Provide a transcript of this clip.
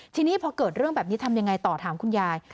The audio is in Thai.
ทีนี้พอเกิดเรื่องแบบนี้ทำยังไงต่อถามคุณยาย